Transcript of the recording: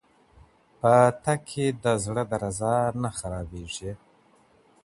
په تګ کي د زړه درزا نه خرابېږي.